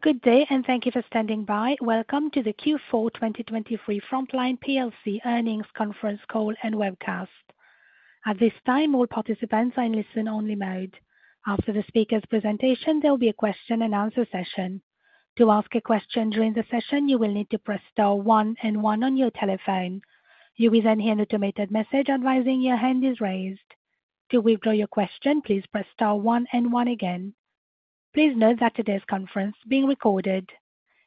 Good day and thank you for standing by. Welcome to the Q4 2023 Frontline plc Earnings conference call and webcast. At this time, all participants are in listen-only mode. After the speaker's presentation, there will be a question-and-answer session. To ask a question during the session, you will need to press star one and one on your telephone. You will then hear an automated message advising your hand is raised. To withdraw your question, please press star one and one again. Please note that today's conference is being recorded.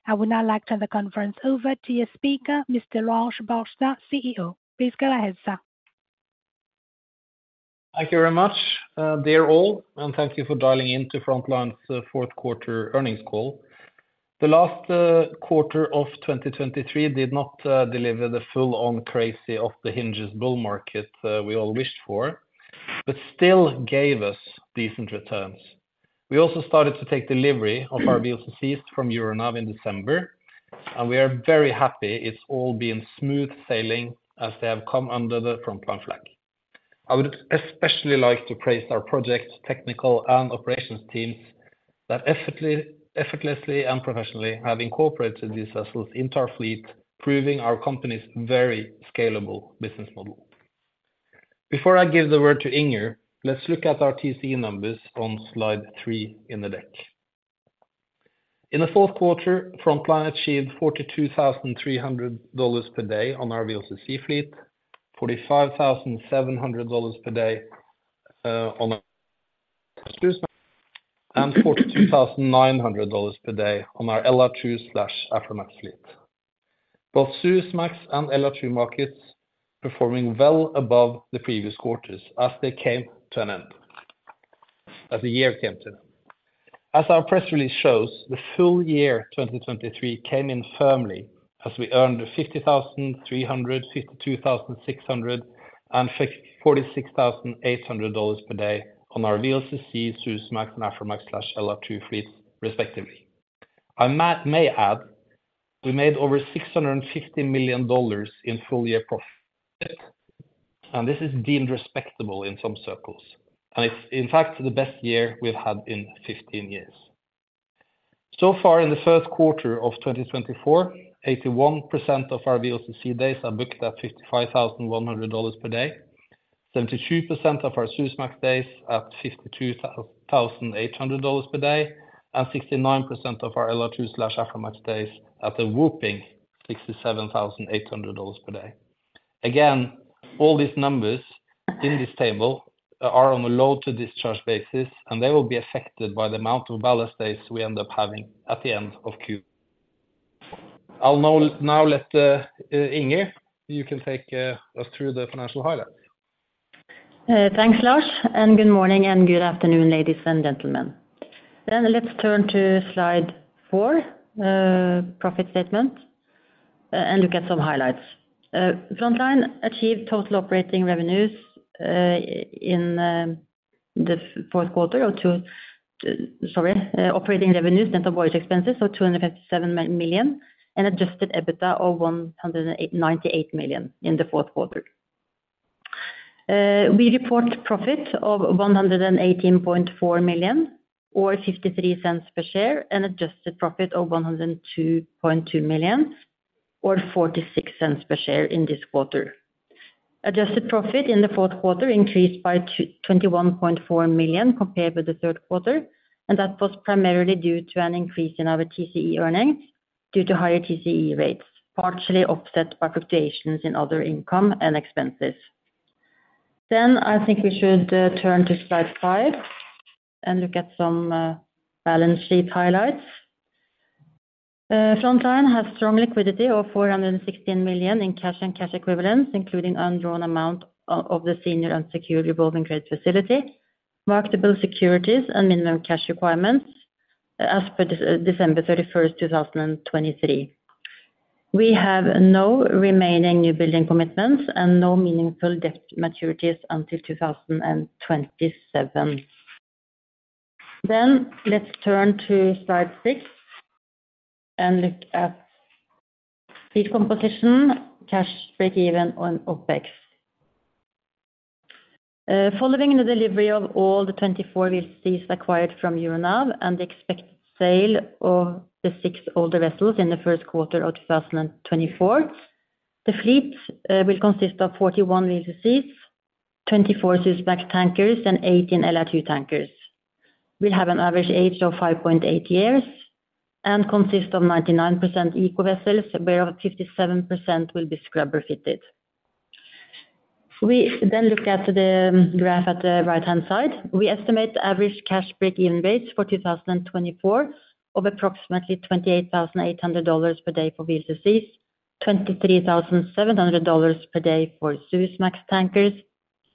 I would now like to turn the conference over to your speaker, Mr. Lars Barstad, CEO. Please go ahead, sir. Thank you very much, dear all, and thank you for dialing into Frontline's fourth quarter earnings call. The last quarter of 2023 did not deliver the full-on crazy off the hinges bull market we all wished for, but still gave us decent returns. We also started to take delivery of our VLCCs from Euronav in December, and we are very happy it's all been smooth sailing as they have come under the Frontline flag. I would especially like to praise our project technical and operations teams that effortlessly and professionally have incorporated these vessels into our fleet, proving our company's very scalable business model. Before I give the word to Inger, let's look at our TCE numbers on slide 3 in the deck. In the fourth quarter, Frontline achieved $42,300 per day on our VLCC fleet, $45,700 per day on our Suezmax, and $42,900 per day on our LR2/Aframax fleet. Both Suezmax and LR2 markets performing well above the previous quarters as they came to an end, as the year came to an end. As our press release shows, the full year 2023 came in firmly as we earned $50,300, $52,600, and $46,800 per day on our VLCC, Suezmax, and Aframax/LR2 fleets, respectively. I may add, we made over $650 million in full-year profit, and this is deemed respectable in some circles, and it's, in fact, the best year we've had in 15 years. So far, in the first quarter of 2024, 81% of our VLCC days are booked at $55,100 per day, 72% of our Suezmax days at $52,800 per day, and 69% of our LR2/Aframax days at a whopping $67,800 per day. Again, all these numbers in this table are on a load-to-discharge basis, and they will be affected by the amount of ballast days we end up having at the end of Q4. I'll now let Inger. You can take us through the financial highlights. Thanks, Lars, and good morning and good afternoon, ladies and gentlemen. Then let's turn to slide 4, profit statement, and look at some highlights. Frontline achieved total operating revenues in the fourth quarter, operating revenues net of voyage expenses of $257 million and adjusted EBITDA of $198 million in the fourth quarter. We report profit of $118.4 million or $0.53 per share and adjusted profit of $102.2 million or $0.46 per share in this quarter. Adjusted profit in the fourth quarter increased by $21.4 million compared with the third quarter, and that was primarily due to an increase in our TCE earnings due to higher TCE rates, partially offset by fluctuations in other income and expenses. Then I think we should turn to slide 5 and look at some balance sheet highlights. Frontline has strong liquidity of $416 million in cash and cash equivalents, including undrawn amount of the senior unsecured revolving credit facility, marketable securities, and minimum cash requirements as per December 31st, 2023. We have no remaining newbuilding commitments and no meaningful debt maturities until 2027. Then let's turn to slide 6 and look at fleet composition, cash break-even, and OpEx. Following the delivery of all the 24 VLCCs acquired from Euronav and the expected sale of the six older vessels in the first quarter of 2024, the fleet will consist of 41 VLCCs, 24 Suezmax tankers, and 18 LR2 tankers. We'll have an average age of 5.8 years and consist of 99% eco-vessels, whereof 57% will be scrubber-fitted. We then look at the graph at the right-hand side. We estimate average cash break-even rates for 2024 of approximately $28,800 per day for VLCCs, $23,700 per day for Suezmax tankers,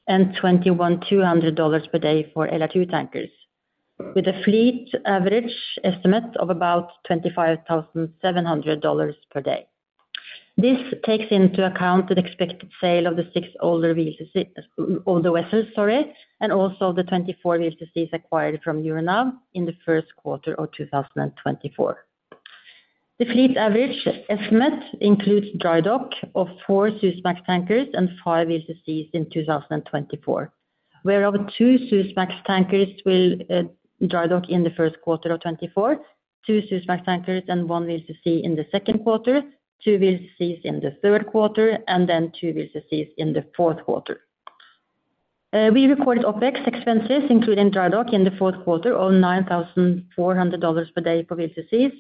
and $21,200 per day for LR2 tankers, with a fleet average estimate of about $25,700 per day. This takes into account the expected sale of the six older VLCCs and also the 24 VLCCs acquired from Euronav in the first quarter of 2024. The fleet average estimate includes dry dock of four Suezmax tankers and five VLCCs in 2024, whereof two Suezmax tankers will dry dock in the first quarter of 2024, two Suezmax tankers and one VLCC in the second quarter, two VLCCs in the third quarter, and then two VLCCs in the fourth quarter. We recorded OpEx, including dry dock, in the fourth quarter of $9,400 per day for VLCCs,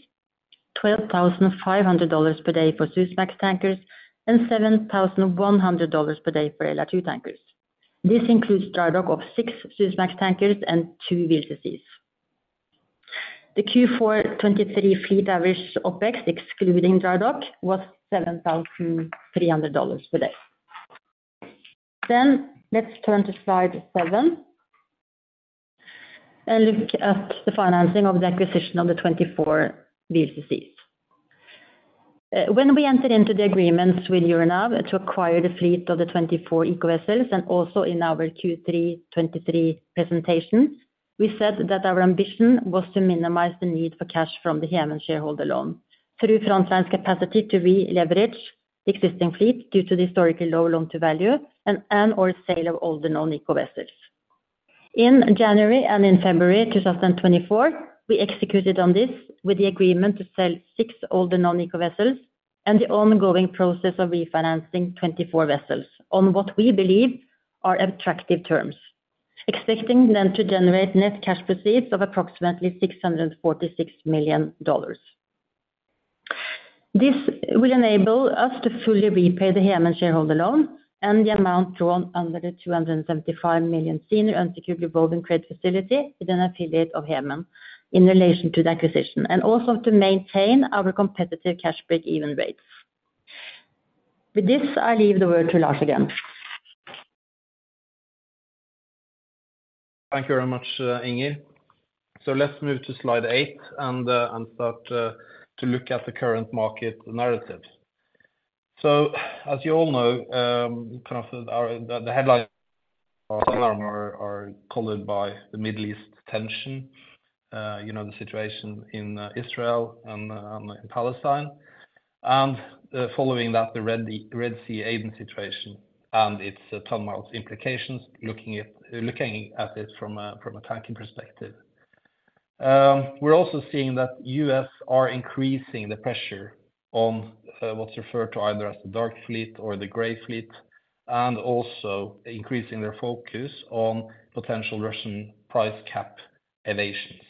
$12,500 per day for Suezmax tankers, and $7,100 per day for LR2 tankers. This includes dry dock of six Suezmax tankers and two VLCCs. The Q4 2023 fleet average OPEX, excluding dry dock, was $7,300 per day. Then let's turn to slide 7 and look at the financing of the acquisition of the 24 VLCCs. When we entered into the agreements with Euronav to acquire the fleet of the 24 eco-vessels, and also in our Q3 2023 presentation, we said that our ambition was to minimize the need for cash from the Hemen Holding shareholder loan through Frontline's capacity to re-leverage the existing fleet due to the historically low loan-to-value and/or sale of older non-eco vessels. In January and in February 2024, we executed on this with the agreement to sell six older non-eco vessels and the ongoing process of refinancing 24 vessels on what we believe are attractive terms, expecting then to generate net cash proceeds of approximately $646 million. This will enable us to fully repay the Hemen shareholder loan and the amount drawn under the $275 million senior unsecured revolving credit facility with an affiliate of Hemen Holding in relation to the acquisition, and also to maintain our competitive cash break-even rates. With this, I leave the word to Lars again. Thank you very much, Inger. Let's move to slide 8 and start to look at the current market narrative. As you all know, kind of the headlines are colored by the Middle East tension, you know, the situation in Israel and in Palestine, and following that, the Red Sea Houthi situation and its ton-mile implications, looking at it from a tanker perspective. We're also seeing that the U.S. are increasing the pressure on what's referred to either as the dark fleet or the gray fleet, and also increasing their focus on potential Russian price cap evasions.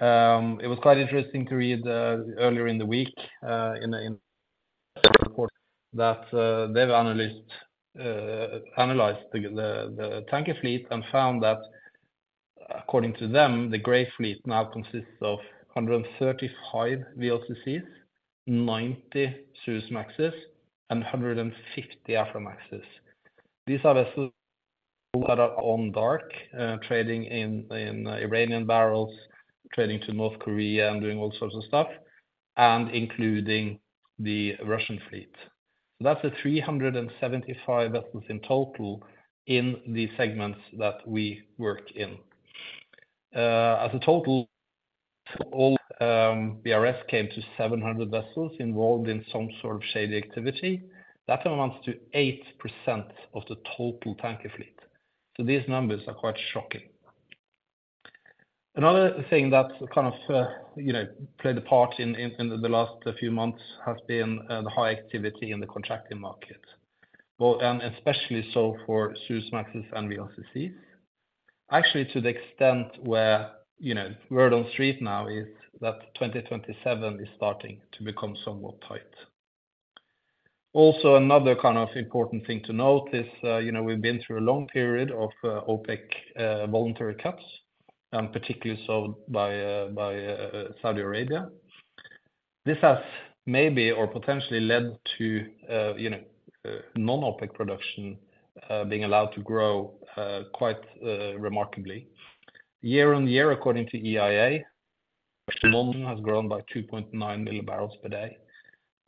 It was quite interesting to read earlier in the week in the report that they've analyzed the tanker fleet and found that, according to them, the gray fleet now consists of 135 VLCCs, 90 Suezmaxes, and 150 Aframaxes. These are vessels that are gone dark, trading in Iranian barrels, trading to North Korea, and doing all sorts of stuff, and including the Russian fleet. So that's 375 vessels in total in the segments that we work in. As a total, all BRS came to 700 vessels involved in some sort of shady activity. That amounts to 8% of the total tanker fleet. So these numbers are quite shocking. Another thing that's kind of played a part in the last few months has been the high activity in the contracting market, and especially so for Suezmaxes and VLCCs, actually to the extent where word on the street now is that 2027 is starting to become somewhat tight. Also, another kind of important thing to note is we've been through a long period of OPEC voluntary cuts, and particularly so by Saudi Arabia. This has maybe or potentially led to non-OPEC production being allowed to grow quite remarkably. Year-on-year, according to EIA, production has grown by 2.9 million barrels per day.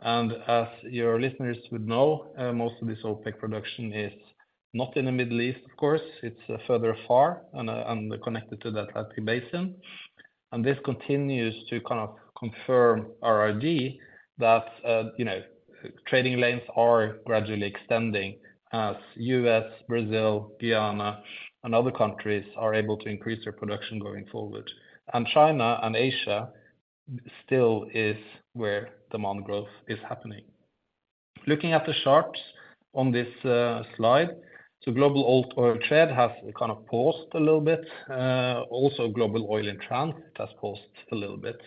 As your listeners would know, most of this non-OPEC production is not in the Middle East, of course. It's further afield and connected to the Atlantic Basin. This continues to kind of confirm our ID that trading lanes are gradually extending as U.S., Brazil, Guyana, and other countries are able to increase their production going forward. China and Asia still is where demand growth is happening. Looking at the charts on this slide, so global oil trade has kind of paused a little bit. Also, global oil ton-miles has paused a little bit.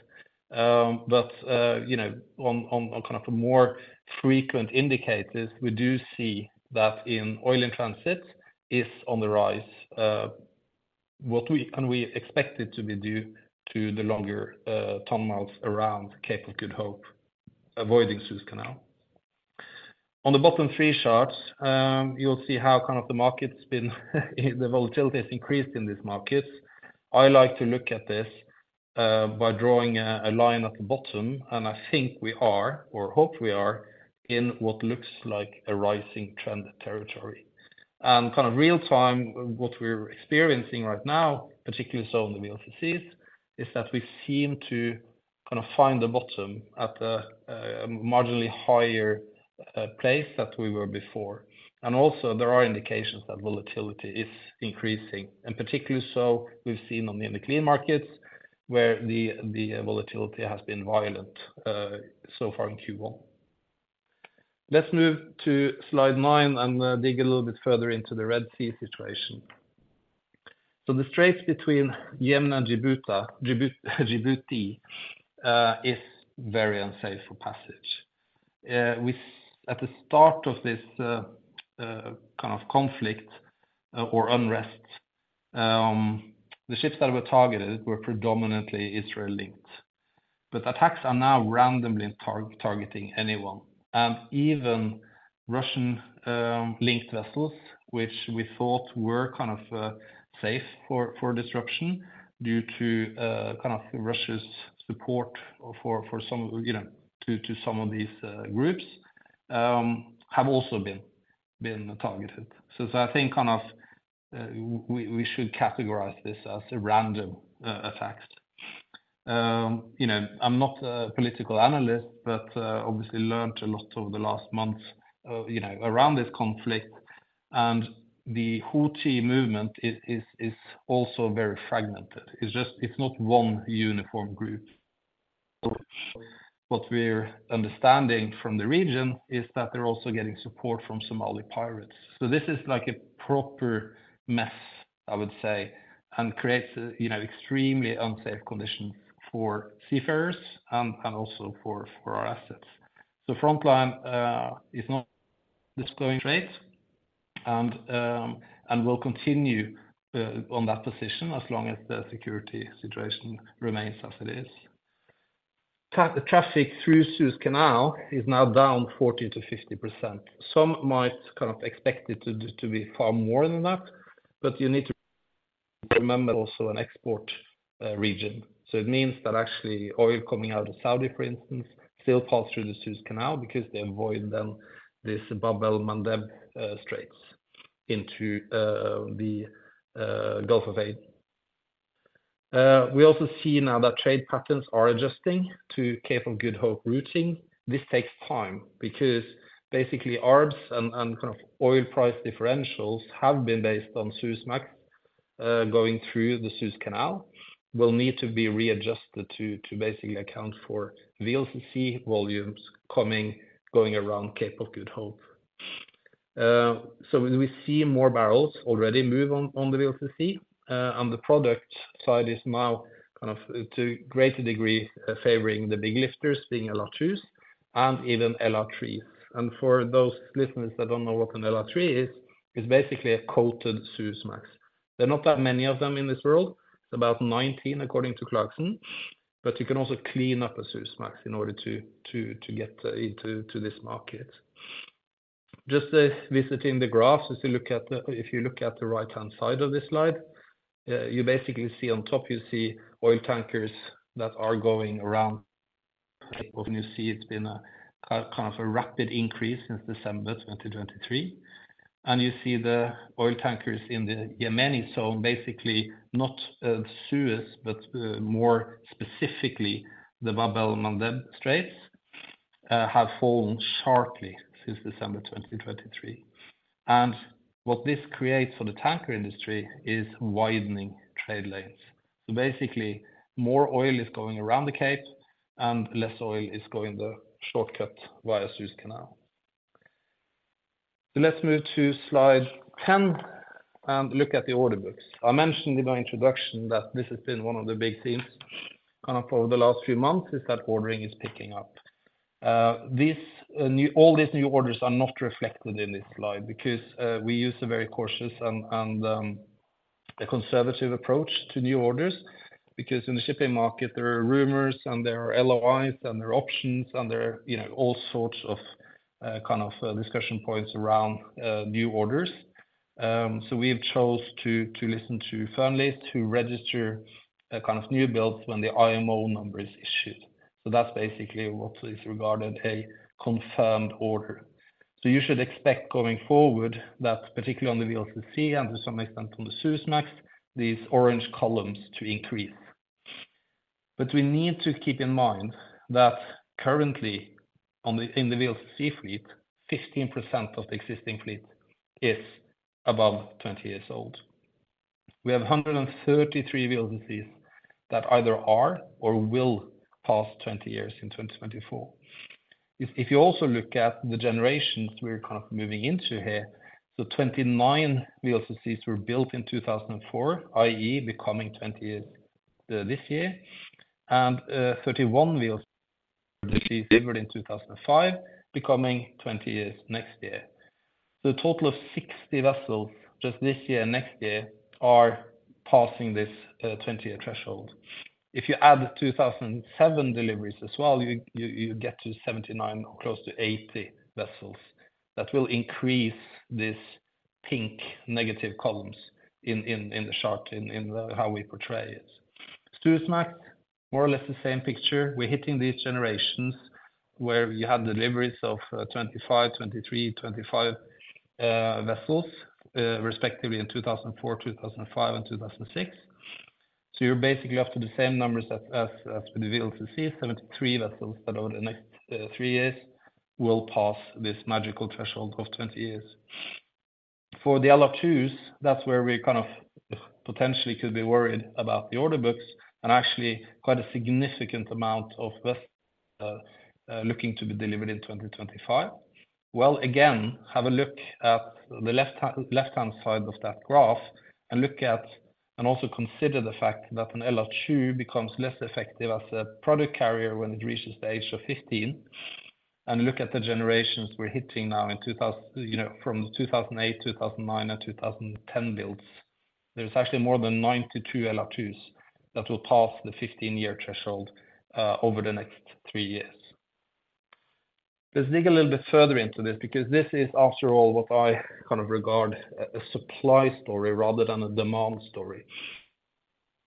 But on kind of more frequent indicators, we do see that oil inventories is on the rise what we expect it to be due to the longer ton miles around Cape of Good Hope, avoiding Suez Canal. On the bottom three charts, you'll see how kind of the market's been, the volatility has increased in these markets. I like to look at this by drawing a line at the bottom, and I think we are, or hope we are, in what looks like a rising trend territory. And kind of real-time, what we're experiencing right now, particularly so in the VLCCs, is that we seem to kind of find the bottom at a marginally higher place than we were before. And also, there are indications that volatility is increasing, and particularly so we've seen in the clean markets where the volatility has been violent so far in Q1. Let's move to slide 9 and dig a little bit further into the Red Sea situation. So the straits between Yemen and Djibouti is very unsafe for passage. At the start of this kind of conflict or unrest, the ships that were targeted were predominantly Israel-linked. But attacks are now randomly targeting anyone, and even Russian-linked vessels, which we thought were kind of safe for disruption due to kind of Russia's support for some of these groups, have also been targeted. So I think kind of we should categorize this as random attacks. I'm not a political analyst, but obviously learned a lot over the last months around this conflict. And the Houthi movement is also very fragmented. It's not one uniform group. So what we're understanding from the region is that they're also getting support from Somali pirates. So this is like a proper mess, I would say, and creates extremely unsafe conditions for seafarers and also for our assets. So Frontline is not going straight and will continue on that position as long as the security situation remains as it is. Traffic through Suez Canal is now down 40%-50%. Some might kind of expect it to be far more than that, but you need to remember. Also an export region. So it means that actually oil coming out of Saudi, for instance, still passes through the Suez Canal because they avoid then these Bab-el-Mandeb straits into the Gulf of Aden. We also see now that trade patterns are adjusting to Cape of Good Hope routing. This takes time because basically arbs and kind of oil price differentials have been based on Suezmax going through the Suez Canal, will need to be readjusted to basically account for VLCC volumes coming going around Cape of Good Hope. So we see more barrels already move on the VLCC, and the product side is now kind of to greater degree favoring the big lifters, being LR2s and even LR3s. And for those listeners that don't know what an LR3 is, it's basically a coated Suezmax. There are not that many of them in this world. It's about 19, according to Clarksons. But you can also clean up a Suezmax in order to get into this market. Just visiting the graphs, if you look at the right-hand side of this slide, you basically see on top, you see oil tankers that are going around Cape of Good Hope. You see it's been a kind of a rapid increase since December 2023. And you see the oil tankers in the Yemeni zone, basically not Suez, but more specifically the Bab-el-Mandeb straits, have fallen sharply since December 2023. And what this creates for the tanker industry is widening trade lanes. So basically, more oil is going around the Cape, and less oil is going the shortcut via Suez Canal. So let's move to slide 10 and look at the order books. I mentioned in my introduction that this has been one of the big themes kind of over the last few months is that ordering is picking up. All these new orders are not reflected in this slide because we use a very cautious and conservative approach to new orders because in the shipping market, there are rumors and there are LOIs and there are options and there are all sorts of kind of discussion points around new orders. So we've chosen to listen to Fearnley to register kind of new builds when the IMO number is issued. So that's basically what is regarded a confirmed order. So you should expect going forward that, particularly on the VLCC and to some extent on the Suezmax, these orange columns to increase. But we need to keep in mind that currently, in the VLCC fleet, 15% of the existing fleet is above 20 years old. We have 133 VLCCs that either are or will pass 20 years in 2024. If you also look at the generations we're kind of moving into here, so 29 VLCCs were built in 2004, i.e., becoming 20 years this year, and 31 VLCCs were delivered in 2005, becoming 20 years next year. So a total of 60 vessels just this year and next year are passing this 20-year threshold. If you add 2007 deliveries as well, you get to 79 or close to 80 vessels. That will increase these pink negative columns in the chart, in how we portray it. Suezmax, more or less the same picture. We're hitting these generations where you had deliveries of 25, 23, 25 vessels, respectively in 2004, 2005, and 2006. So you're basically off to the same numbers as with the VLCCs. 73 vessels that over the next three years will pass this magical threshold of 20 years. For the LR2s, that's where we kind of potentially could be worried about the order books and actually quite a significant amount of vessels looking to be delivered in 2025. Well, again, have a look at the left-hand side of that graph and look at and also consider the fact that an LR2 becomes less effective as a product carrier when it reaches the age of 15. Look at the generations we're hitting now from the 2008, 2009, and 2010 builds. There's actually more than 92 LR2s that will pass the 15-year threshold over the next three years. Let's dig a little bit further into this because this is, after all, what I kind of regard as a supply story rather than a demand story.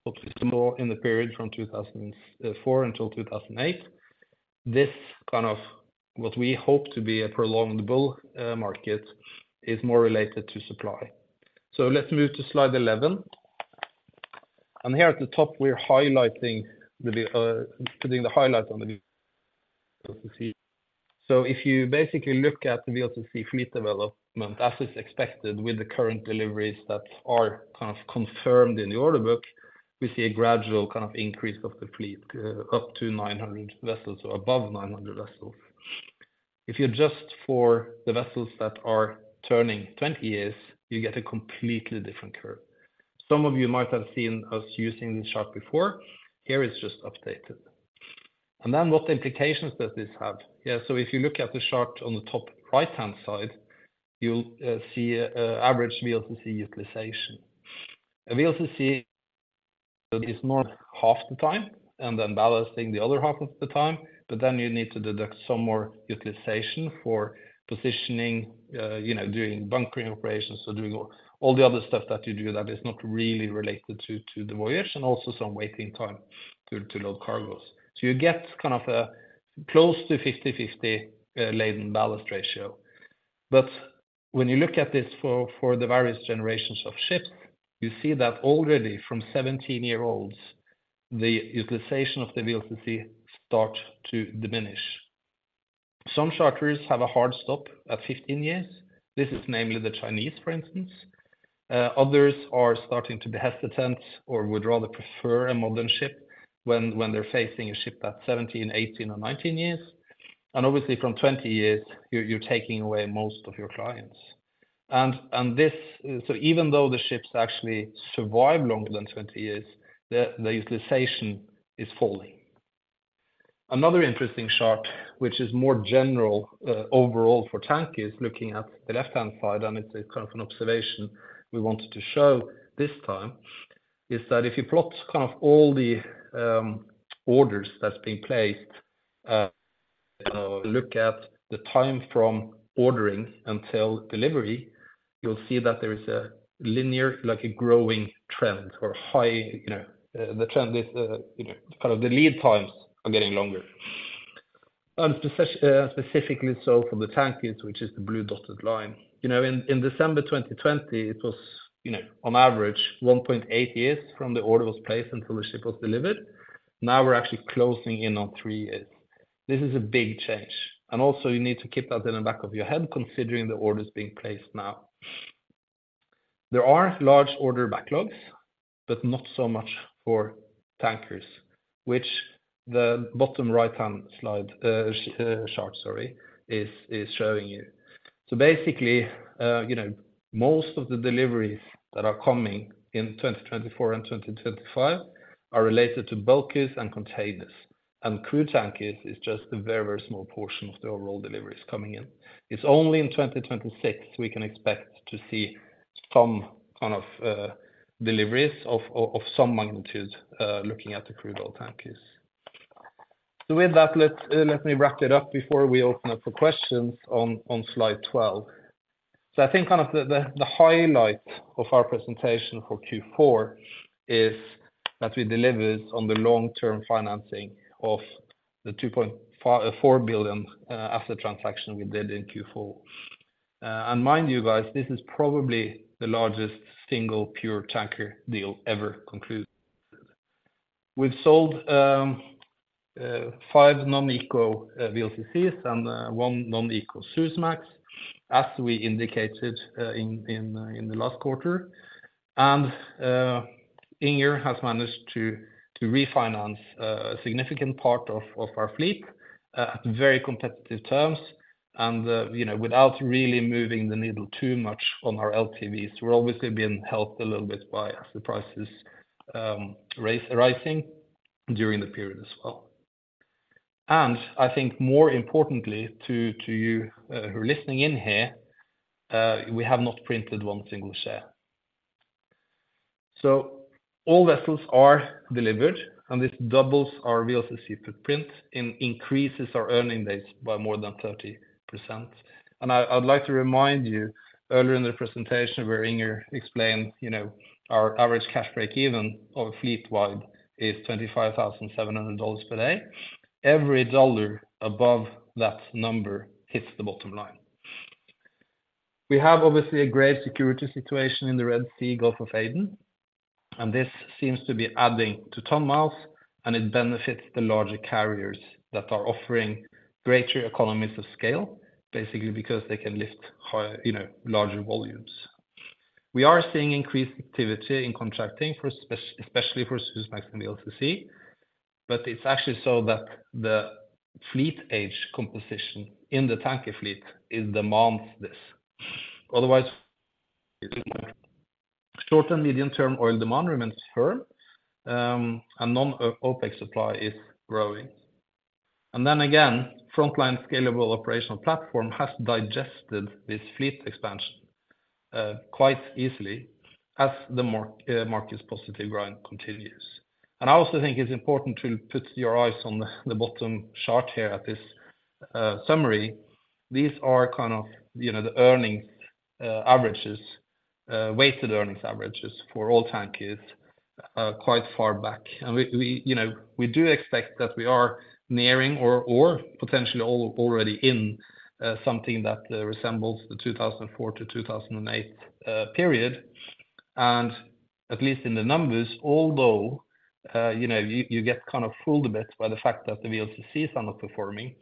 But with some more in the period from 2004 until 2008, this kind of what we hope to be a prolonged bull market is more related to supply. So let's move to slide 11. And here at the top, we're putting the highlight on the VLCC. So if you basically look at the VLCC fleet development as is expected with the current deliveries that are kind of confirmed in the order book, we see a gradual kind of increase of the fleet up to 900 vessels or above 900 vessels. If you adjust for the vessels that are turning 20 years, you get a completely different curve. Some of you might have seen us using this chart before. Here it's just updated. And then what implications does this have? Yeah, so if you look at the chart on the top right-hand side, you'll see average VLCC utilization. A VLCC is normally half the time and then ballasting the other half of the time, but then you need to deduct some more utilization for positioning, you know, doing bunkering operations or doing all the other stuff that you do that is not really related to the voyage and also some waiting time to load cargoes. So you get kind of a close to 50/50 laden-ballast ratio. But when you look at this for the various generations of ships, you see that already from 17-year-olds, the utilization of the VLCC starts to diminish. Some charters have a hard stop at 15 years. This is namely the Chinese, for instance. Others are starting to be hesitant or would rather prefer a modern ship when they're facing a ship that's 17, 18, or 19 years. And obviously, from 20 years, you're taking away most of your clients. So even though the ships actually survive longer than 20 years, the utilization is falling. Another interesting chart, which is more general overall for tankers, looking at the left-hand side, and it's kind of an observation we wanted to show this time, is that if you plot kind of all the orders that's being placed and look at the time from ordering until delivery, you'll see that there is a linear, like a growing trend or high, you know the trend is kind of the lead times are getting longer. And specifically so for the tankers, which is the blue dotted line. You know, in December 2020, it was, you know, on average, 1.8 years from the order was placed until the ship was delivered. Now we're actually closing in on three years. This is a big change. Also, you need to keep that in the back of your head considering the orders being placed now. There are large order backlogs, but not so much for tankers, which the bottom right-hand slide chart, sorry, is showing you. So basically, you know most of the deliveries that are coming in 2024 and 2025 are related to bulkers and containers. And crude tankers is just a very, very small portion of the overall deliveries coming in. It's only in 2026 we can expect to see some kind of deliveries of some magnitude looking at the crude oil tankers. So with that, let me wrap it up before we open up for questions on slide 12. So I think kind of the highlight of our presentation for Q4 is that we delivered on the long-term financing of the $2.4 billion asset transaction we did in Q4. Mind you, guys, this is probably the largest single pure tanker deal ever concluded. We've sold 5 non-Eco VLCCs and 1 non-Eco Suezmax, as we indicated in the last quarter. Inger has managed to refinance a significant part of our fleet at very competitive terms and you know without really moving the needle too much on our LTVs. We're obviously being helped a little bit by as the prices rising during the period as well. I think more importantly to you who are listening in here, we have not printed one single share. So all vessels are delivered, and this doubles our VLCC footprint and increases our earning days by more than 30%. I'd like to remind you, earlier in the presentation, where Inger explained you know our average cash break-even of a fleet-wide is $25,700 per day, every dollar above that number hits the bottom line. We have obviously a grave security situation in the Red Sea, Gulf of Aden, and this seems to be adding to ton miles, and it benefits the larger carriers that are offering greater economies of scale, basically because they can lift higher you know larger volumes. We are seeing increased activity in contracting, especially for Suezmax and VLCC, but it's actually so that the fleet age composition in the tanker fleet demands this. Otherwise, short and medium-term oil demand remains firm, and non-OPEC supply is growing. Then again, Frontline Scalable Operational Platform has digested this fleet expansion quite easily as the market's positive grind continues. I also think it's important to put your eyes on the bottom chart here at this summary. These are kind of you know the earnings averages, weighted earnings averages for all tankers quite far back. And we you know we do expect that we are nearing or potentially already in something that resembles the 2004 to 2008 period. And at least in the numbers, although you know you get kind of fooled a bit by the fact that the VLCCs are not performing,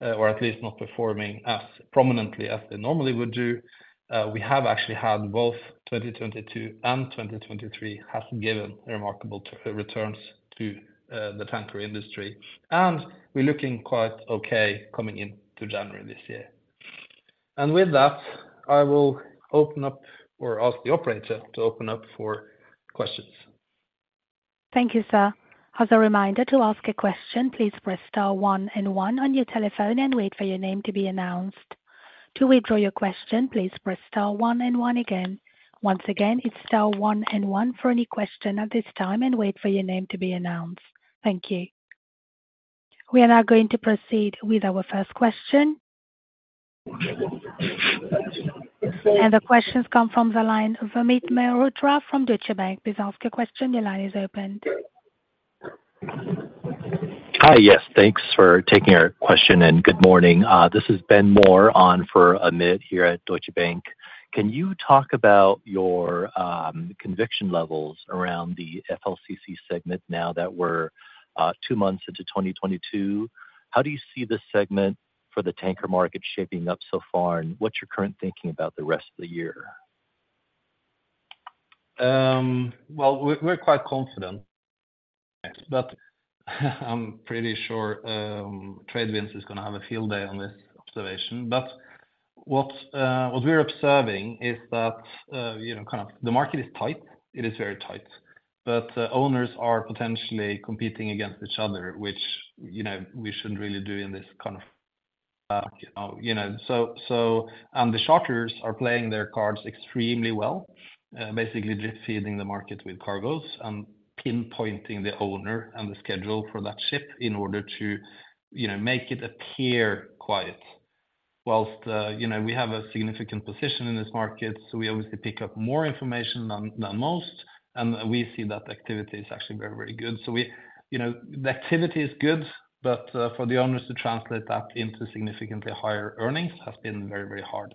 or at least not performing as prominently as they normally would do, we have actually had both 2022 and 2023 have given remarkable returns to the tanker industry. And we're looking quite okay coming into January this year. And with that, I will open up or ask the operator to open up for questions. Thank you, sir. As a reminder, to ask a question, please press star one and one on your telephone and wait for your name to be announced. To withdraw your question, please press star one and one again. Once again, it's star one and one for any question at this time and wait for your name to be announced. Thank you. We are now going to proceed with our first question. The questions come from the line of Amit Mehrotra from Deutsche Bank. Please ask your question. Your line is open. Hi, yes, thanks for taking our question and good morning. This is Ben Moore on for Amit here at Deutsche Bank. Can you talk about your conviction levels around the VLCC segment now that we're two months into 2022? How do you see the segment for the tanker market shaping up so far, and what's your current thinking about the rest of the year? Well, we're quite confident, but I'm pretty sure TradeWinds is going to have a field day on this observation. But what we're observing is that, you know, kind of the market is tight. It is very tight. But owners are potentially competing against each other, which, you know, we shouldn't really do in this kind of market. You know, so and the charters are playing their cards extremely well, basically drip-feeding the market with cargoes and pinpointing the owner and the schedule for that ship in order to, you know, make it appear quiet. While, you know, we have a significant position in this market, so we obviously pick up more information than most, and we see that activity is actually very, very good. So we, you know, the activity is good, but for the owners to translate that into significantly higher earnings has been very, very hard.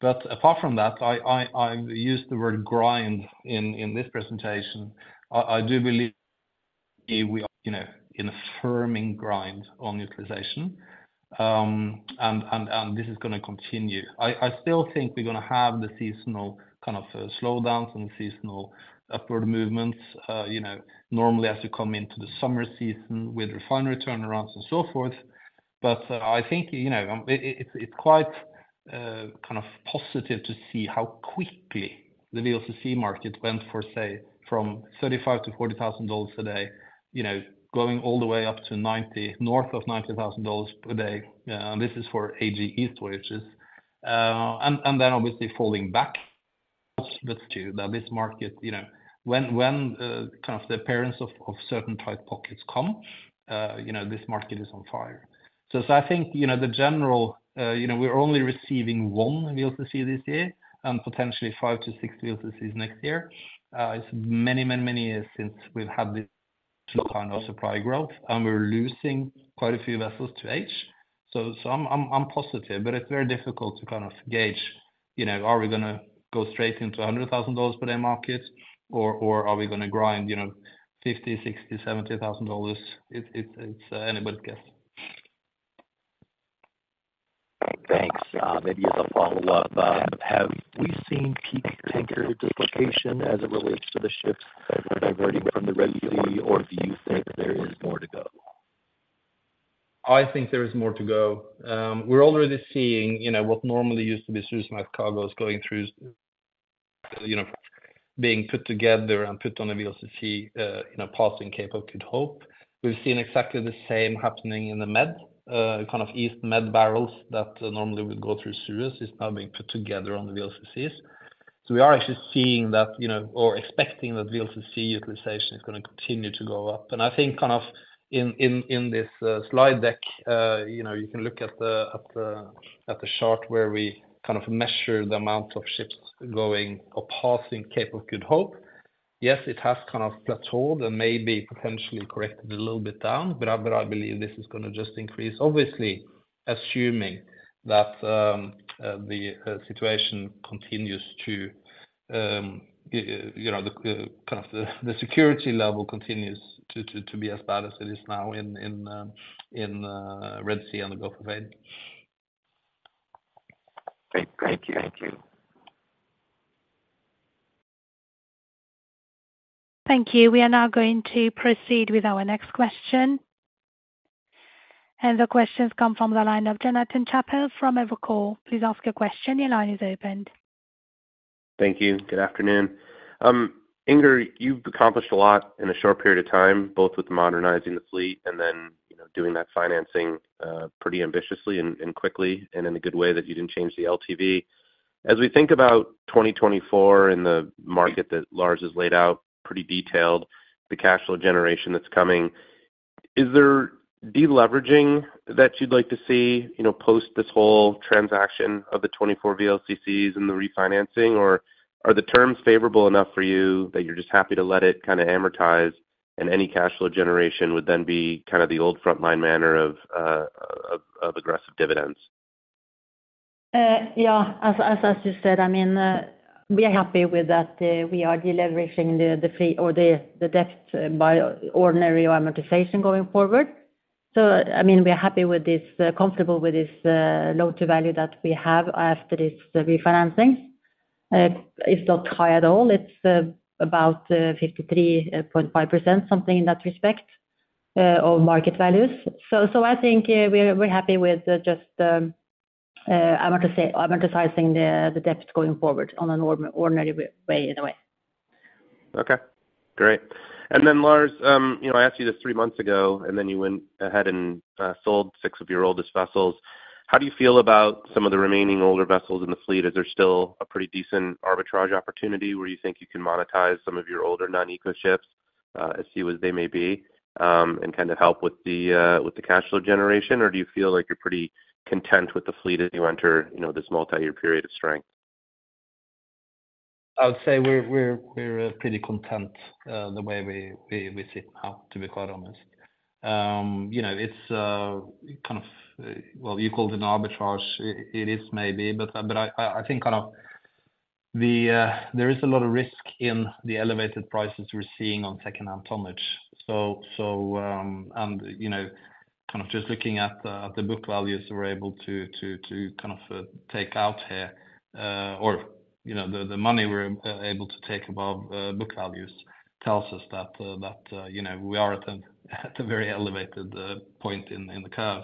But apart from that, I've used the word grind in this presentation. I do believe we are, you know, in a firming grind on utilization. And this is going to continue. I still think we're going to have the seasonal kind of slowdowns and the seasonal upward movements. You know, normally, as you come into the summer season with refinery turnarounds and so forth. But I think you know it's quite kind of positive to see how quickly the VLCC market went for, say, from $35,000 to $40,000 a day, you know going all the way up to $90,000, north of $90,000 a day. And this is for AG-East voyages. And then obviously falling back. But too, that this market, you know when kind of the appearance of certain tight pockets come, you know this market is on fire. So I think you know the general, you know we're only receiving one VLCC this year and potentially five to six VLCCs next year. It's many, many, many years since we've had this kind of supply growth and we're losing quite a few vessels to age. So I'm positive, but it's very difficult to kind of gauge, you know are we going to go straight into $100,000 per day market or are we going to grind you know $50,000, $60,000, $70,000? It's anybody's guess. Thanks. Maybe as a follow-up, have we seen peak tanker dislocation as it relates to the ships diverting from the regular Suez, or do you think there is more to go? I think there is more to go. We're already seeing you know what normally used to be Suezmax cargoes going through, you know being put together and put on the VLCC, you know passing Cape of Good Hope. We've seen exactly the same happening in the Med, kind of East Med barrels that normally would go through Suez is now being put together on the VLCCs. So we are actually seeing that, you know or expecting that VLCC utilization is going to continue to go up. And I think kind of in this slide deck, you know you can look at the chart where we kind of measure the amount of ships going or passing Cape of Good Hope. Yes, it has kind of plateaued and maybe potentially corrected a little bit down, but I believe this is going to just increase, obviously assuming that the situation continues to, you know the kind of the security level continues to be as bad as it is now in Red Sea and the Gulf of Aden. Great. Thank you. Thank you. Thank you. We are now going to proceed with our next question. And the questions come from the line of Jonathan Chappell from Evercore. Please ask your question. Your line is opened. Thank you. Good afternoon. Inger, you've accomplished a lot in a short period of time, both with modernizing the fleet and then you know doing that financing pretty ambitiously and quickly and in a good way that you didn't change the LTV. As we think about 2024 and the market that Lars has laid out pretty detailed, the cash flow generation that's coming, is there deleveraging that you'd like to see you know post this whole transaction of the 24 VLCCs and the refinancing, or are the terms favorable enough for you that you're just happy to let it kind of amortize and any cash flow generation would then be kind of the old Frontline manner of aggressive dividends? Yeah, as you said, I mean, we are happy with that we are deleveraging the fleet or the debt by ordinary amortization going forward. So I mean, we are happy with this, comfortable with this loan-to-value that we have after this refinancing. It's not high at all. It's about 53.5%, something in that respect, of market values. So I think we're happy with just amortizing the debt going forward in an ordinary way. Okay. Great. And then, Lars, you know I asked you this three months ago, and then you went ahead and sold six of your oldest vessels. How do you feel about some of the remaining older vessels in the fleet? Is there still a pretty decent arbitrage opportunity where you think you can monetize some of your older non-ECO ships, as few as they may be, and kind of help with the cash flow generation, or do you feel like you're pretty content with the fleet as you enter you know this multi-year period of strength? I would say we're pretty content the way we sit now, to be quite honest. You know, it's kind of, well, you called it an arbitrage. It is, maybe, but I think kind of there is a lot of risk in the elevated prices we're seeing on secondhand tonnage. So, and you know, kind of just looking at the book values we're able to kind of take out here, or, you know, the money we're able to take above book values tells us that, you know, we are at a very elevated point in the curve.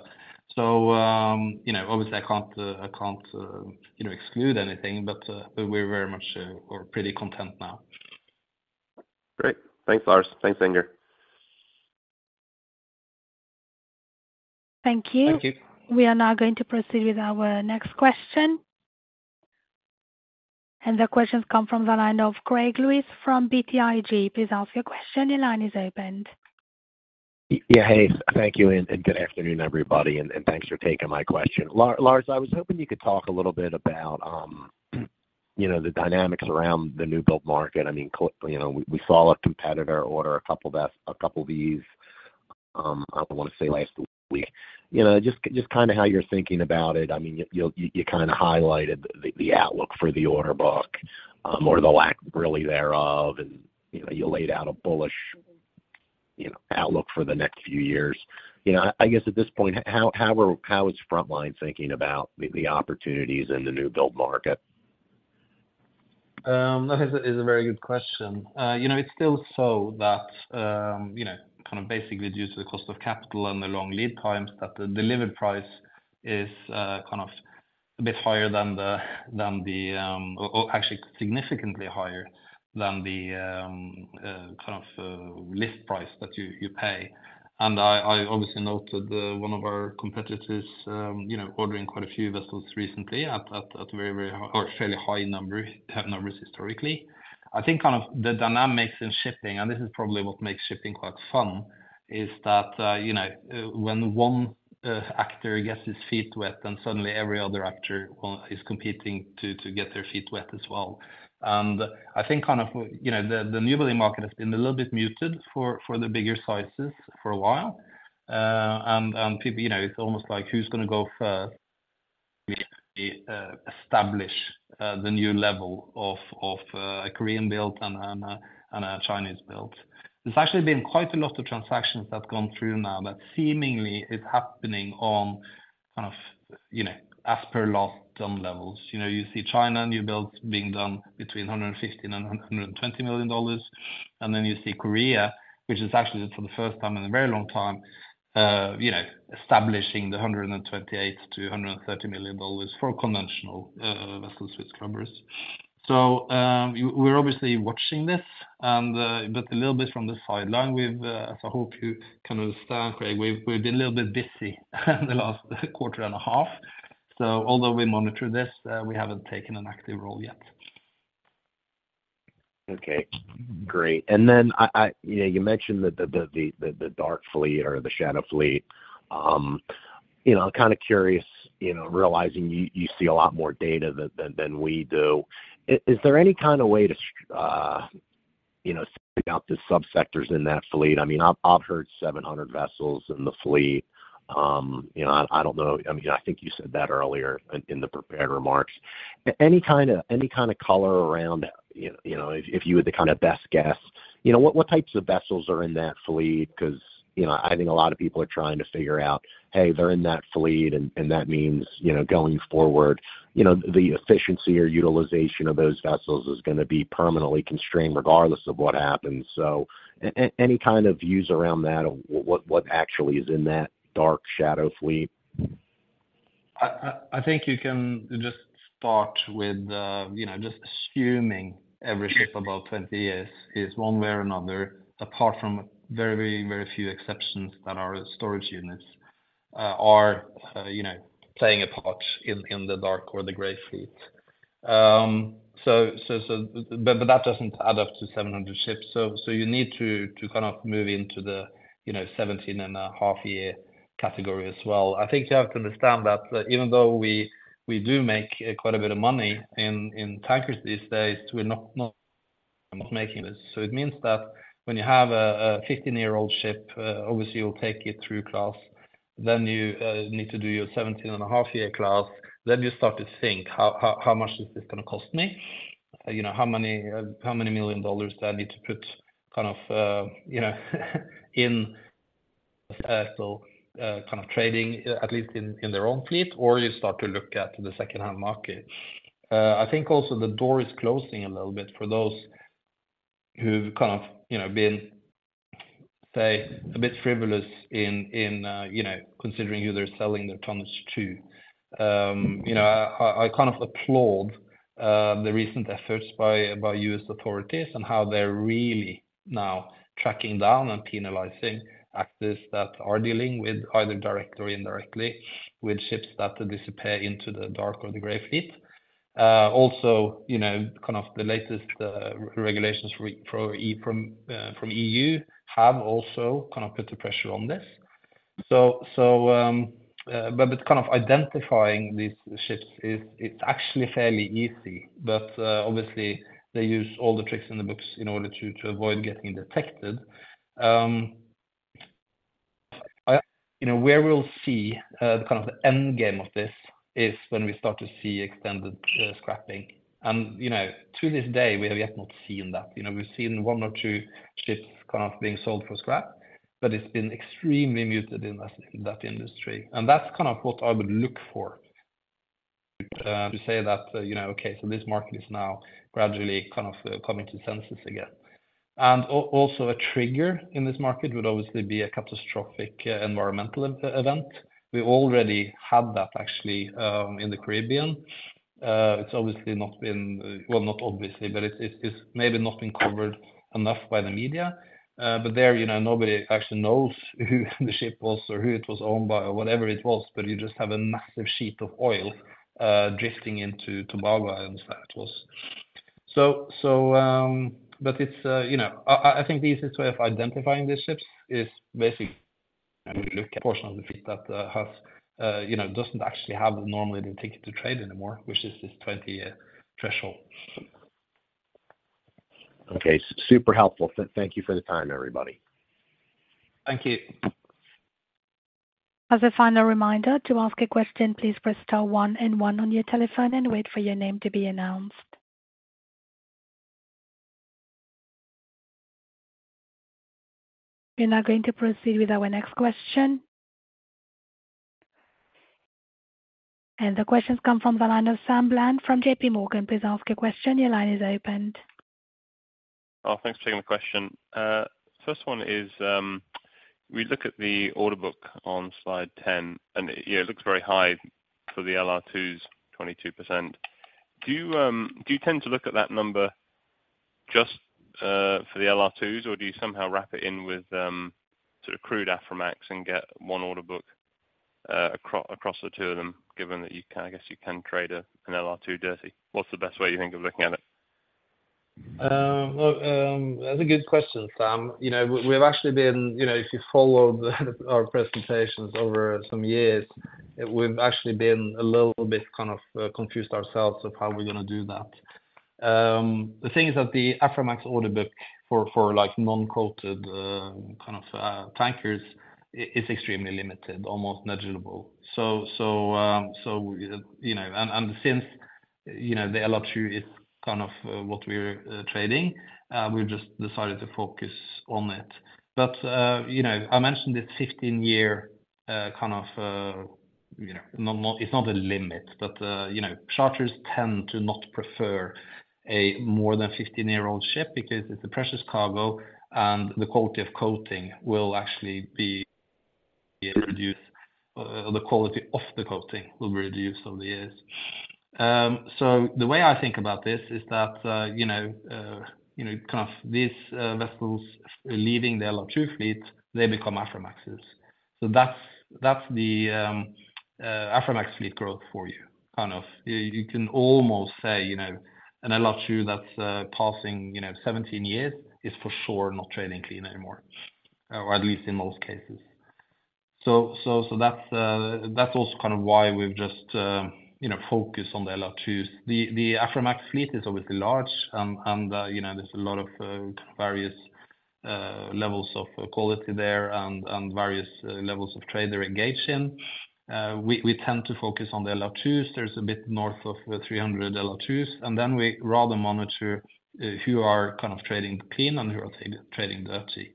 So, you know, obviously, I can't you know exclude anything, but we're very much or pretty content now. Great. Thanks, Lars. Thanks, Inger. Thank you. Thank you. We are now going to proceed with our next question. The questions come from the line of Greg Lewis from BTIG. Please ask your question. Your line is open. Yeah, hey, thank you and good afternoon, everybody, and thanks for taking my question. Lars, I was hoping you could talk a little bit about, you know, the dynamics around the new build market. I mean, you know, we saw a competitor order a couple of these, I want to say, last week. You know, just kind of how you're thinking about it. I mean, you kind of highlighted the outlook for the order book or the lack really thereof, and you know, you laid out a bullish, you know, outlook for the next few years. You know, I guess at this point, how is Frontline thinking about the opportunities in the new build market? That is a very good question. You know, it's still so that, you know, kind of basically due to the cost of capital and the long lead times, that the delivered price is kind of a bit higher than the, or actually significantly higher than the kind of list price that you pay. I obviously noted one of our competitors you know ordering quite a few vessels recently at a very, very or fairly high number numbers historically. I think kind of the dynamics in shipping, and this is probably what makes shipping quite fun, is that you know when one actor gets his feet wet, then suddenly every other actor is competing to get their feet wet as well. I think kind of you know the newbuilding market has been a little bit muted for the bigger sizes for a while. People you know it's almost like who's going to go first to establish the new level of a Korean built and a Chinese built. There's actually been quite a lot of transactions that have gone through now that seemingly is happening on kind of you know as per last done levels. You know, you see China new builds being done between $150 million and $120 million. And then you see Korea, which is actually for the first time in a very long time, you know, establishing the $128 million-$130 million for conventional vessel scrubbers. So we're obviously watching this, and but a little bit from the sideline, we've, as I hope you can understand, Greg, we've been a little bit busy in the last quarter and a half. So although we monitor this, we haven't taken an active role yet. Okay. Great. And then I, you know, you mentioned that the dark fleet or the shadow fleet. You know, I'm kind of curious, you know, realizing you see a lot more data than we do. Is there any kind of way to, you know, figure out the subsectors in that fleet? I mean, I've heard 700 vessels in the fleet. You know, I don't know. I mean, I think you said that earlier in the prepared remarks. Any kind of color around, you know, if you were to kind of best guess, you know, what types of vessels are in that fleet? Because, you know, I think a lot of people are trying to figure out, hey, they're in that fleet, and that means, you know, going forward, you know, the efficiency or utilization of those vessels is going to be permanently constrained regardless of what happens. So any kind of views around that of what actually is in that dark shadow fleet? I think you can just start with, you know, just assuming every ship above 20 years is one way or another, apart from very, very, very few exceptions that are storage units are, you know, playing a part in the dark or the gray fleet. So, but that doesn't add up to 700 ships. So you need to kind of move into the, you know, 17.5-year category as well. I think you have to understand that even though we do make quite a bit of money in tankers these days, we're not making this. So it means that when you have a 15-year-old ship, obviously, you'll take it through class. Then you need to do your 17.5-year class. Then you start to think, how much is this going to cost me? You know, how many how many million dollars do I need to put kind of, you know, in vessel kind of trading, at least in their own fleet? Or you start to look at the second-hand market. I think also the door is closing a little bit for those who've kind of, you know, been, say, a bit frivolous in, you know, considering who they're selling their tonnage to. You know, I kind of applaud the recent efforts by U.S. authorities and how they're really now tracking down and penalizing actors that are dealing with either direct or indirectly with ships that disappear into the dark or the gray fleet. Also, you know, kind of the latest regulations from EU have also kind of put the pressure on this. Kind of identifying these ships is actually fairly easy, but obviously, they use all the tricks in the books in order to avoid getting detected. You know, where we'll see the end game of this is when we start to see extended scrapping. And you know, to this day, we have yet not seen that. You know, we've seen one or two ships kind of being sold for scrap, but it's been extremely muted in that industry. And that's kind of what I would look for to say that, you know, okay, so this market is now gradually kind of coming to senses again. And also a trigger in this market would obviously be a catastrophic environmental event. We already had that actually in the Caribbean. It's obviously not been, well, not obviously, but it's maybe not been covered enough by the media. But there, you know, nobody actually knows who the ship was or who it was owned by or whatever it was, but you just have a massive sheet of oil drifting into Tobago island that it was. So but it's, you know, I think the easiest way of identifying these ships is basically we look at a portion of the fleet that has, you know, doesn't actually have normally the ticket to trade anymore, which is this 20-year threshold. Okay. Super helpful. Thank you for the time, everybody. Thank you. As a final reminder, to ask a question, please press star one and one on your telephone and wait for your name to be announced. We are now going to proceed with our next question. The questions come from the line of Sam Bland from JPMorgan. Please ask your question. Your line is open. Oh, thanks for taking the question. First one is, we look at the order book on slide 10, and you know it looks very high for the LR2s, 22%. Do you tend to look at that number just for the LR2s, or do you somehow wrap it in with sort of crude Aframax and get one order book across the two of them, given that you can, I guess, trade an LR2 dirty? What's the best way you think of looking at it? Well, that's a good question, Sam. You know, we've actually been, you know, if you follow our presentations over some years, we've actually been a little bit kind of confused ourselves of how we're going to do that. The thing is that the Aframax order book for like non-coated kind of tankers is extremely limited, almost negligible. So, you know, and since, you know, the LR2 is kind of what we're trading, we've just decided to focus on it. But, you know, I mentioned this 15-year kind of, you know, not it's not a limit, but, you know, charters tend to not prefer a more than 15-year-old ship because it's a precious cargo and the quality of coating will actually be reduced, or the quality of the coating will be reduced over the years. So the way I think about this is that, you know, you know, kind of these vessels leaving the LR2 fleet, they become Aframaxes. So that's the Aframax fleet growth for you, kind of. You can almost say, you know, an LR2 that's passing, you know, 17 years is for sure not trading clean anymore, or at least in most cases. So that's also kind of why we've just, you know, focused on the LR2s. The Aframax fleet is obviously large, and, you know, there's a lot of kind of various levels of quality there and various levels of trade they're engaged in. We tend to focus on the LR2s. There's a bit north of 300 LR2s, and then we rather monitor who are kind of trading clean and who are trading dirty.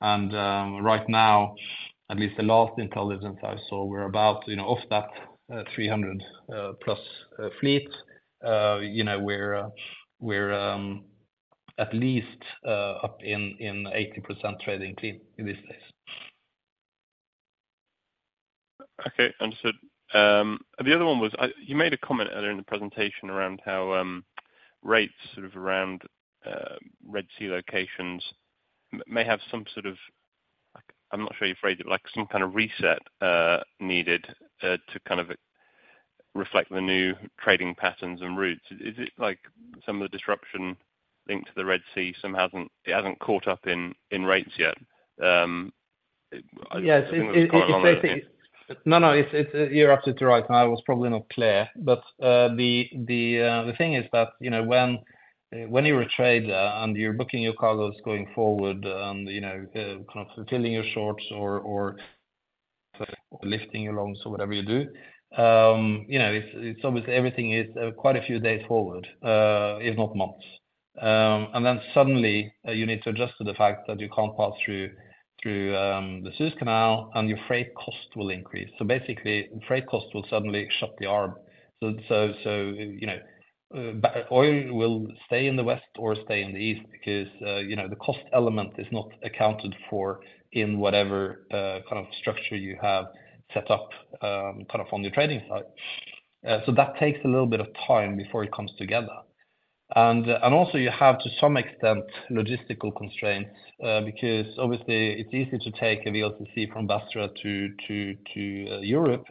And right now, at least the last intelligence I saw, we're about, you know, off that 300+ fleet. You know, we're at least up in 80% trading clean these days. Okay, understood. And the other one was, you made a comment earlier in the presentation around how rates sort of around Red Sea locations may have some sort of, like I'm not sure you phrased it, but like some kind of reset needed to kind of reflect the new trading patterns and routes. Is it like some of the disruption linked to the Red Sea? Some hasn't it hasn't caught up in rates yet. Yes, it's basically no, no, it's you're absolutely right. And I was probably not clear, but the thing is that, you know, when you're a trader and you're booking your cargoes going forward and, you know, kind of filling your shorts or lifting your longs or whatever you do, you know, it's obviously everything is quite a few days forward, if not months. And then suddenly you need to adjust to the fact that you can't pass through the Suez Canal and your freight cost will increase. So basically, freight cost will suddenly shut the arbitrage. So, you know, oil will stay in the west or stay in the east because, you know, the cost element is not accounted for in whatever kind of structure you have set up kind of on your trading site. So that takes a little bit of time before it comes together. And also you have to some extent logistical constraints because obviously it's easy to take a VLCC from Basra to Europe,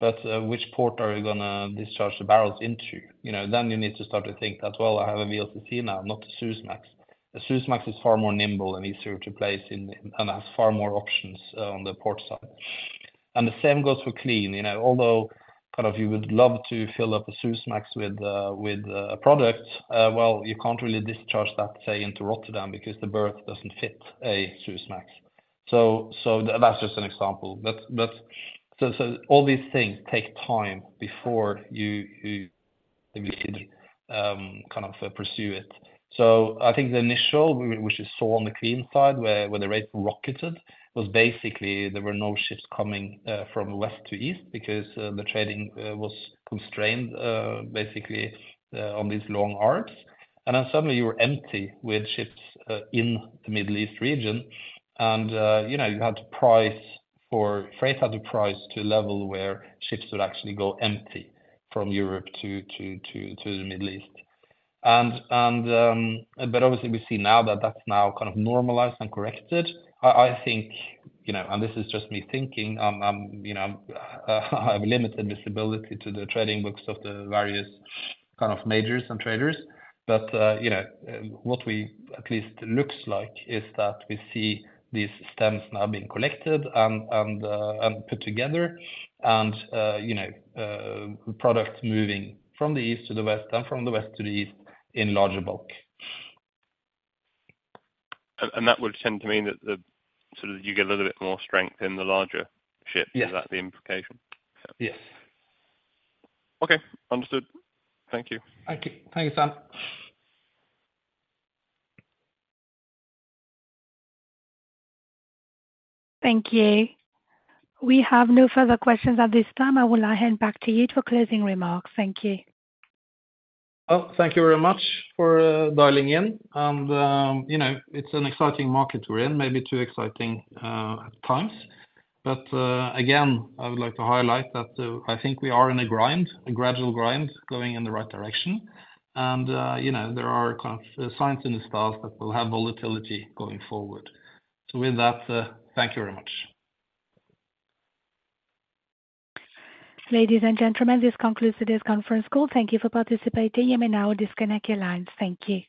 but which port are you going to discharge the barrels into? You know, then you need to start to think that, well, I have a VLCC now, not a Suezmax. A Suezmax is far more nimble and easier to place in and has far more options on the port side. The same goes for clean. You know, although kind of you would love to fill up a Suezmax with a product, well, you can't really discharge that, say, into Rotterdam because the berth doesn't fit a Suezmax. So that's just an example. That's so all these things take time before you kind of pursue it. So I think the initial, which we saw on the clean side, where the rates rocketed, was basically there were no ships coming from west to east because the trading was constrained basically on these long arms. And then suddenly you were empty with ships in the Middle East region. You know, you had to price for freight had to price to a level where ships would actually go empty from Europe to the Middle East. But obviously we see now that that's now kind of normalized and corrected. I think, you know, and this is just me thinking, I'm, you know, I have limited visibility to the trading books of the various kind of majors and traders. But, you know, what we at least looks like is that we see these stems now being collected and put together and, you know, products moving from the east to the west and from the West to the East in larger bulk. And that would tend to mean that the sort of you get a little bit more strength in the larger ships. Is that the implication? Yes. Okay. Understood. Thank you. Thank you. Thank you, Sam. Thank you. We have no further questions at this time. I will hand back to you for closing remarks. Thank you. Well, thank you very much for dialing in. You know, it's an exciting market we're in, maybe too exciting at times. But again, I would like to highlight that I think we are in a grind, a gradual grind going in the right direction. You know, there are kind of signs in the stars that we'll have volatility going forward. So with that, thank you very much. Ladies and gentlemen, this concludes today's conference call. Thank you for participating. You may now disconnect your lines. Thank you.